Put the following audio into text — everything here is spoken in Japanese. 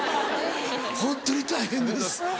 ホントに大変です。